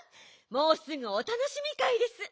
もうすぐおたのしみかいです。